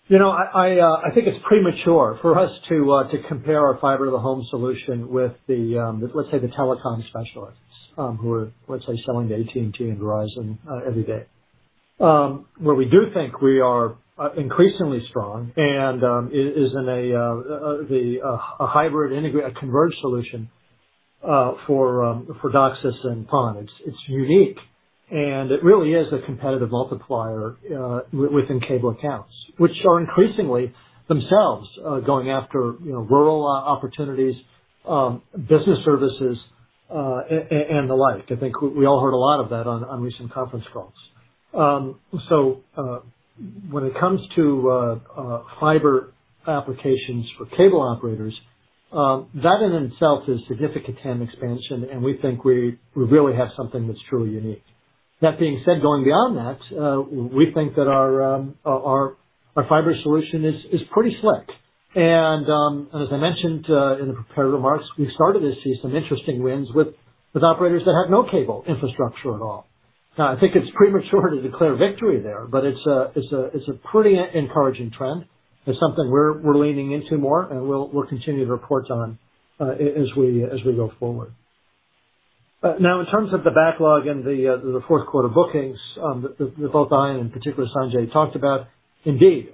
You know, I think it's premature for us to compare our fiber to the home solution with the, let's say, the telecom specialists, who are, let's say, selling to AT&T and Verizon every day. Where we do think we are increasingly strong and is in a the a converged solution for for DOCSIS and PON. It's unique, and it really is a competitive multiplier within cable accounts, which are increasingly themselves going after, you know, rural opportunities, business services, and the like. I think we all heard a lot of that on recent conference calls. When it comes to fiber applications for cable operators, that in itself is significant TAM expansion, and we think we really have something that's truly unique. That being said, going beyond that, we think that our fiber solution is pretty slick. As I mentioned in the prepared remarks, we started to see some interesting wins with operators that had no cable infrastructure at all. Now, I think it's premature to declare victory there, but it's a pretty encouraging trend. It's something we're leaning into more, and we'll continue to report on as we go forward. Now, in terms of the backlog and the fourth quarter bookings, that both Ian, in particular Sanjay talked about, indeed,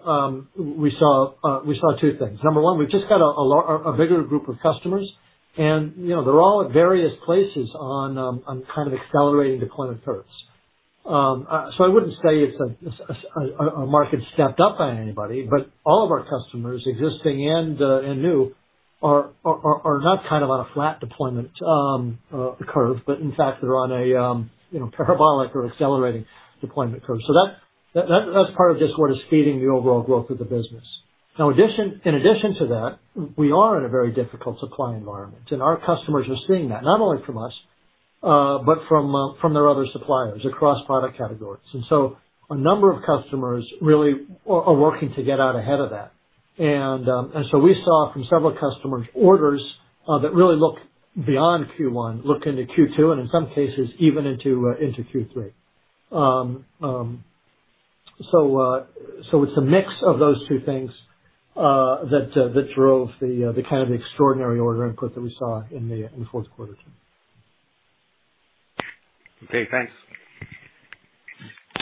we saw two things. Number one, we've just got a bigger group of customers, and, you know, they're all at various places on kind of accelerating deployment curves. I wouldn't say it's a market stepped up by anybody, but all of our customers existing and new are not kind of on a flat deployment curve, but in fact, they're on a, you know, parabolic or accelerating deployment curve. That's part of just what is feeding the overall growth of the business. In addition to that, we are in a very difficult supply environment, and our customers are seeing that not only from us, but from their other suppliers across product categories. A number of customers really are working to get out ahead of that. We saw from several customers orders that really look beyond Q1, look into Q2, and in some cases, even into Q3. It's a mix of those two things that drove the kind of extraordinary order input that we saw in the fourth quarter. Okay, thanks.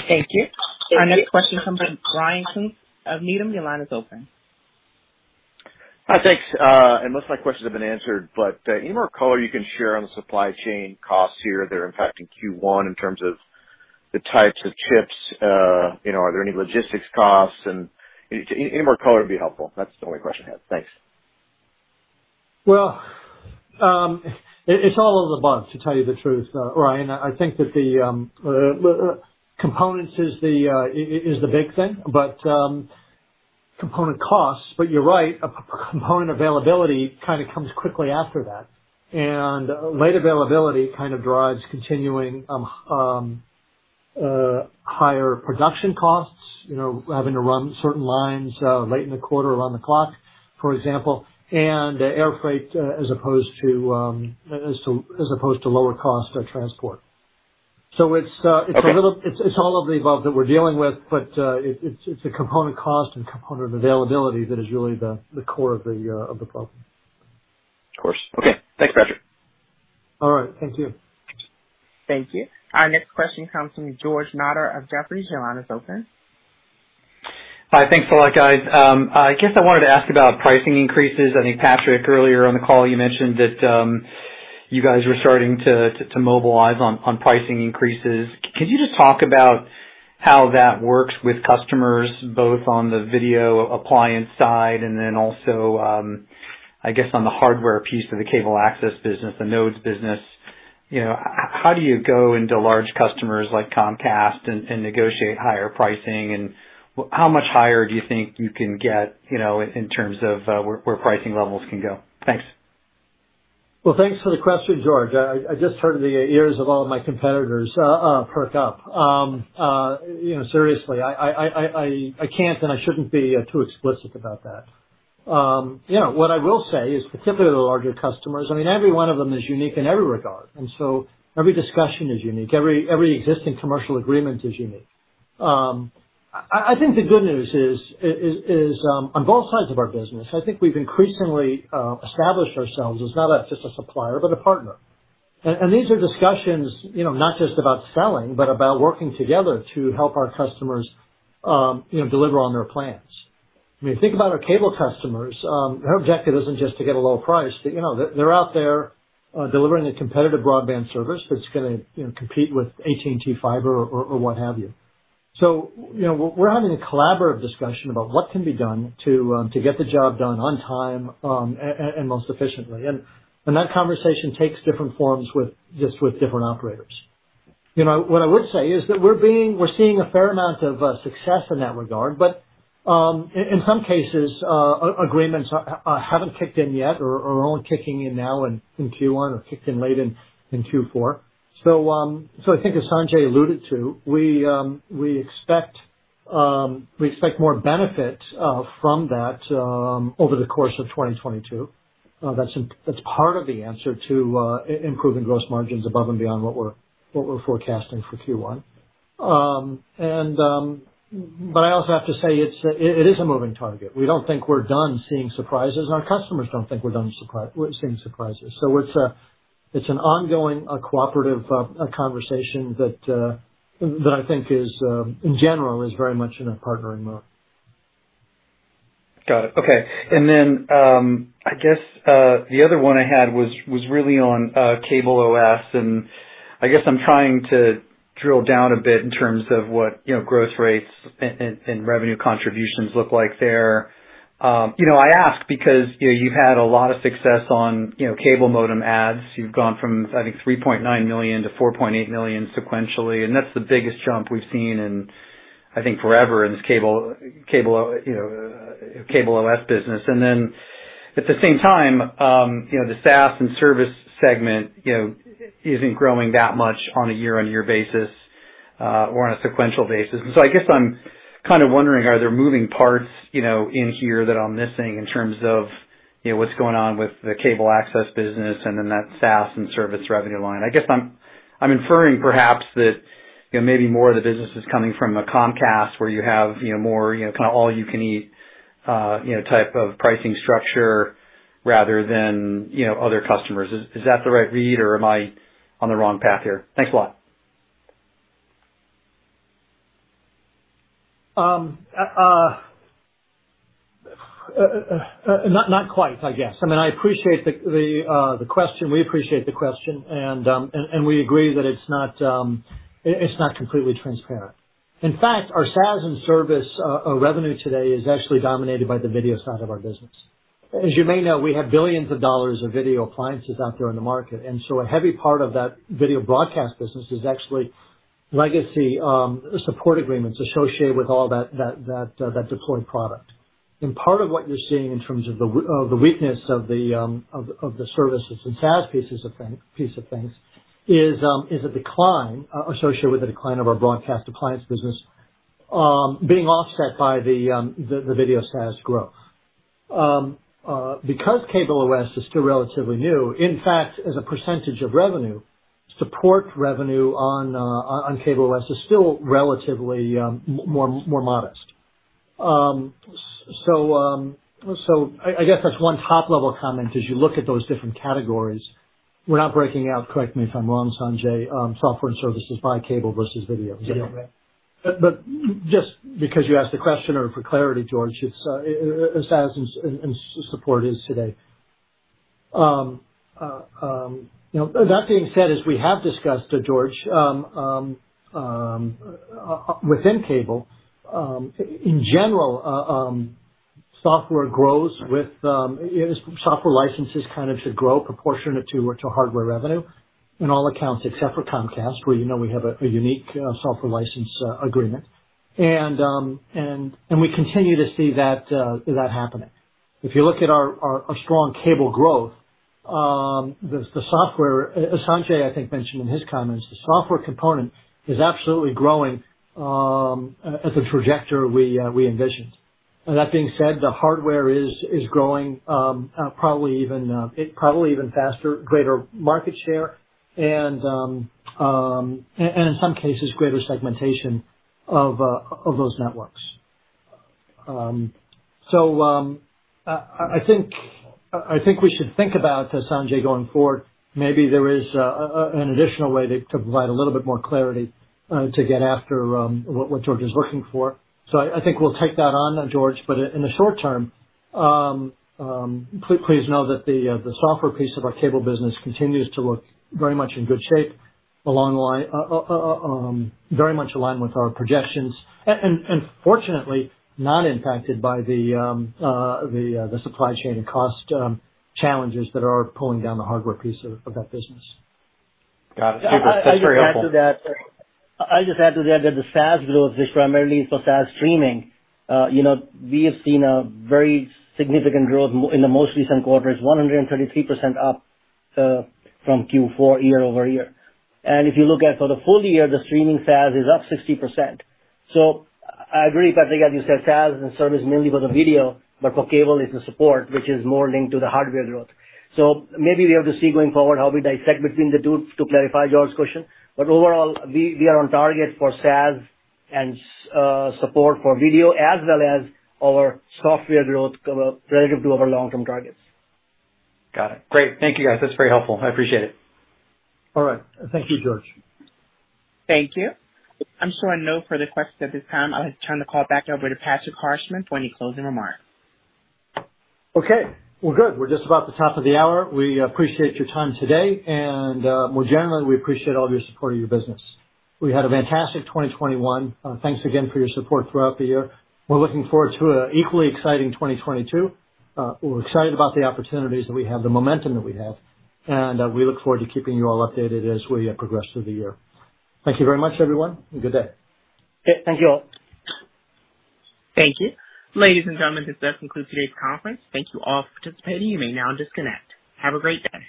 Thank you. Our next question comes from Ryan Koontz of Needham. Your line is open. Hi. Thanks. Most of my questions have been answered, but any more color you can share on the supply chain costs here that are impacting Q1 in terms of the types of chips? You know, are there any logistics costs? Any more color would be helpful. That's the only question I had. Thanks. Well, it's all of the above, to tell you the truth, Ryan. I think that the components is the big thing, but component costs. You're right, a component availability kind of comes quickly after that. Late availability kind of drives continuing higher production costs, you know, having to run certain lines late in the quarter around the clock, for example, and air freight as opposed to lower cost of transport. It's a little- Okay. It's all of the above that we're dealing with, but it's a component cost and component availability that is really the core of the problem. Of course. Okay. Thanks, Patrick. All right. Thank you. Thank you. Our next question comes from George Notter of Jefferies. Your line is open. Hi. Thanks for that, guys. I guess I wanted to ask about pricing increases. I think, Patrick, earlier on the call, you mentioned that you guys were starting to mobilize on pricing increases. Could you just talk about how that works with customers both on the video appliance side and then also, I guess, on the hardware piece of the cable access business, the nodes business? You know, how do you go into large customers like Comcast and negotiate higher pricing? How much higher do you think you can get, you know, in terms of where pricing levels can go? Thanks. Well, thanks for the question, George. I just heard the ears of all of my competitors perk up. You know, seriously, I can't and I shouldn't be too explicit about that. You know, what I will say is, particularly the larger customers, I mean, every one of them is unique in every regard, and so every discussion is unique. Every existing commercial agreement is unique. I think the good news is on both sides of our business, I think we've increasingly established ourselves as not just a supplier but a partner. These are discussions, you know, not just about selling, but about working together to help our customers, you know, deliver on their plans. I mean, think about our cable customers. Their objective isn't just to get a low price. You know, they're out there, delivering a competitive broadband service that's gonna, you know, compete with AT&T Fiber or what have you. You know, we're having a collaborative discussion about what can be done to get the job done on time and most efficiently. That conversation takes different forms with different operators. You know, what I would say is that we're seeing a fair amount of success in that regard, but in some cases, agreements haven't kicked in yet or are only kicking in now in Q1 or kicked in late in Q4. I think as Sanjay alluded to, we expect more benefit from that over the course of 2022. That's part of the answer to improving gross margins above and beyond what we're forecasting for Q1. But I also have to say it is a moving target. We don't think we're done seeing surprises. Our customers don't think we're done seeing surprises. It's an ongoing cooperative conversation that I think is in general very much in a partnering mode. Got it. Okay. I guess the other one I had was really on CableOS, and I guess I'm trying to drill down a bit in terms of what, you know, growth rates and revenue contributions look like there. You know, I ask because, you know, you've had a lot of success on, you know, cable modem adds. You've gone from, I think, 3.9 million to 4.8 million sequentially, and that's the biggest jump we've seen in, I think, forever in this cable, you know, CableOS business. At the same time, you know, the SaaS and service segment, you know, isn't growing that much on a year-on-year basis, or on a sequential basis. I guess I'm kind of wondering, are there moving parts, you know, in here that I'm missing in terms of, you know, what's going on with the cable access business and then that SaaS and service revenue line? I guess I'm inferring perhaps that, you know, maybe more of the business is coming from Comcast where you have, you know, more, you know, kinda all you can eat, you know, type of pricing structure rather than, you know, other customers. Is that the right read or am I on the wrong path here? Thanks a lot. Not quite, I guess. I mean, I appreciate the question. We appreciate the question. We agree that it's not completely transparent. In fact, our SaaS and service revenue today is actually dominated by the video side of our business. As you may know, we have billions of dollars of video appliances out there in the market, and so a heavy part of that video broadcast business is actually legacy support agreements associated with all that deployed product. Part of what you're seeing in terms of the weakness of the services and SaaS pieces of things is a decline associated with the decline of our broadcast appliance business, being offset by the video SaaS growth. Because CableOS is still relatively new, in fact, as a percentage of revenue, support revenue on CableOS is still relatively more modest. I guess that's one top level comment as you look at those different categories. We're not breaking out, correct me if I'm wrong, Sanjay, software and services by cable versus video. Yeah. Right. Just because you asked the question or for clarity, George, it's as SaaS and support is today. You know, that being said, as we have discussed, George, within cable, in general, software grows with software licenses kind of should grow proportionate to hardware revenue in all accounts except for Comcast, where you know we have a unique software license agreement. We continue to see that happening. If you look at our strong cable growth, the software, as Sanjay I think mentioned in his comments, the software component is absolutely growing at the trajectory we envisioned. That being said, the hardware is growing, probably even faster, greater market share and in some cases greater segmentation of those networks. I think we should think about, Sanjay, going forward, maybe there is an additional way to provide a little bit more clarity to get after what George is looking for. I think we'll take that on, George, but in the short term, please know that the software piece of our cable business continues to look very much in good shape, along lines, very much in line with our projections, and fortunately not impacted by the supply chain and cost challenges that are pulling down the hardware piece of that business. Got it. That's very helpful. I'll just add to that the SaaS growth is primarily for SaaS streaming. You know, we have seen a very significant growth in the most recent quarters, 133% up from Q4 year over year. If you look at for the full year, the streaming SaaS is up 60%. I agree, Patrick, as you said, SaaS and service mainly for the video, but for cable it's the support which is more linked to the hardware growth. Maybe we have to see going forward how we dissect between the two to clarify George's question. Overall, we are on target for SaaS and support for video as well as our software growth relative to our long-term targets. Got it. Great. Thank you, guys. That's very helpful. I appreciate it. All right. Thank you, George. Thank you. I'm showing no further questions at this time. I'll turn the call back over to Patrick Harshman for any closing remarks. Okay. Well, good. We're just about the top of the hour. We appreciate your time today and, more generally, we appreciate all of your support of your business. We had a fantastic 2021. Thanks again for your support throughout the year. We're looking forward to a equally exciting 2022. We're excited about the opportunities that we have, the momentum that we have, and we look forward to keeping you all updated as we progress through the year. Thank you very much, everyone, and good day. Okay. Thank you all. Thank you. Ladies and gentlemen, this does conclude today's conference. Thank you all for participating. You may now disconnect. Have a great day.